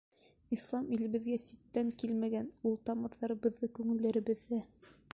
Ислам илебеҙгә ситтән килмәгән, ул — тамырыбыҙҙа, күңелебеҙҙә.